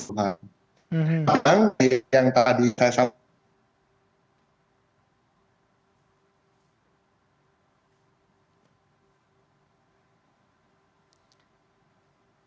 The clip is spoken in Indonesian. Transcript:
memang yang tadi saya sampaikan